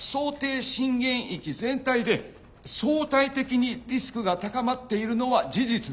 震源域全体で相対的にリスクが高まっているのは事実です。